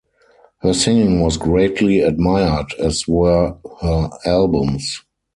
Her singing was greatly admired as were her albums.